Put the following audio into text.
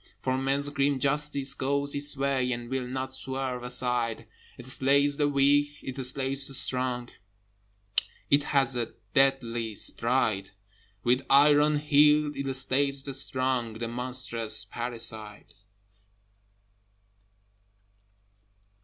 For Man's grim Justice goes its way, And will not swerve aside: It slays the weak, it slays the strong, It has a deadly stride: With iron heel it slays the strong, The monstrous parricide!